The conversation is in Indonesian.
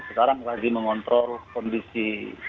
sekarang lagi mengontrol kondisi